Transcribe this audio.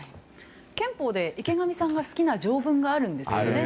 憲法で池上さんが好きな条文があるんですよね。